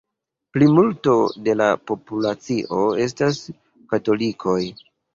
Plimulto de la populacio estas katolikoj.